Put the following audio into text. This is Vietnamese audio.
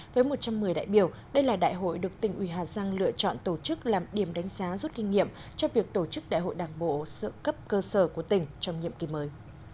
với một trăm một mươi đại biểu đây là đại hội được tỉnh uy hà giang lựa chọn tổ chức làm điểm đánh giá rút kinh nghiệm cho việc tổ chức đại hội đảng bộ sự cấp cơ sở của tỉnh trong nhiệm kỳ mới